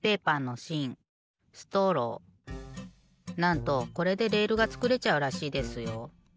なんとこれでレールがつくれちゃうらしいですよ。